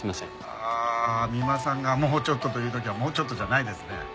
ああ三馬さんが「もうちょっと」と言う時はもうちょっとじゃないですね。